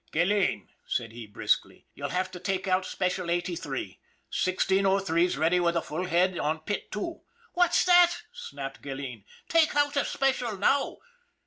" Gilleen," said he briskly, " you'll have to take out Special Eighty three. 1603*8 ready with a full head on pit two." "What's that?" snapped Gilleen. "Take out a special now?